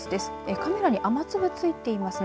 カメラに雨粒付いていますね。